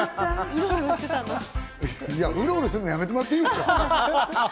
ウロウロするの、やめてもらっていいですか？